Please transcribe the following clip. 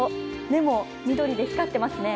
目も緑で光ってますね。